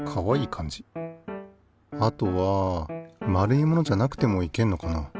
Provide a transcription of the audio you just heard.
あとは丸いものじゃなくてもいけんのかな？